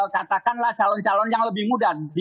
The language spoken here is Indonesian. katakanlah calon calon yang lebih muda